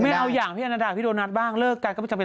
เอาอย่างพี่อันนาดาพี่โดนัทบ้างเลิกกันก็ไม่จำเป็น